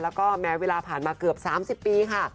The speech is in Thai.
แล้วก็แม้เวลาผ่านมาเกือบ๓๐ปีค่ะ